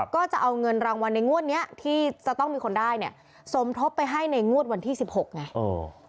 ก็จะเอาเงินรางวัลในงวดนี้ที่จะต้องมีคนได้เนี่ยสมทบไปให้ในงวดวันที่๑๖ไง